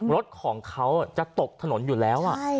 รถของเขาอ่ะจะตกถนนอยู่แล้วอ่ะใช่